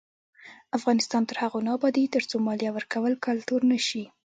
افغانستان تر هغو نه ابادیږي، ترڅو مالیه ورکول کلتور نشي.